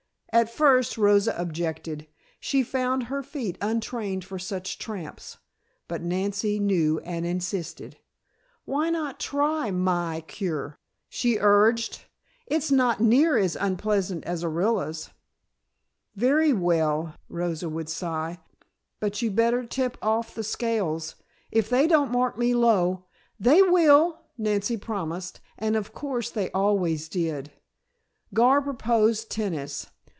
At first Rosa objected; she found her feet untrained for such tramps, but Nancy knew and insisted. "Why not try my cure?" she urged. "It's not near as unpleasant as Orilla's." "Very well," Rosa would sigh. "But you better tip off the scales. If they don't mark me low " "They will," Nancy promised, and of course they always did. Gar proposed tennis.